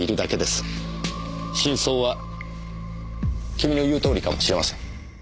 真相は君の言うとおりかもしれません。